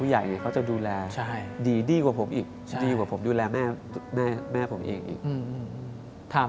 อยากให้มาหามาก